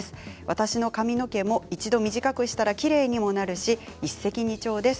私の髪の毛も一度短くしたらきれいにもなるし一石二鳥です。